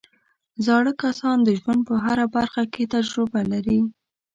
زاړه کسان د ژوند په هره برخه کې تجربه لري